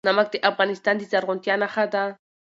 نمک د افغانستان د زرغونتیا نښه ده.